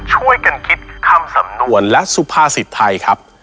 ช่วยกันคิดคำสำนวนและสุภาษิตไทยครับ